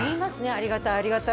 ありがたいあ